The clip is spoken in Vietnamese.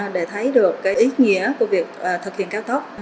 để thấy được ý nghĩa của việc thực hiện cao tốc